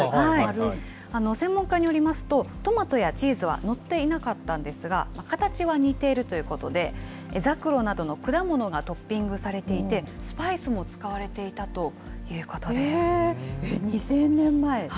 専門家によりますと、トマトやチーズは載っていなかったんですが、形は似ているということで、ザクロなどの果物がトッピングされていて、スパイスも使２０００年前？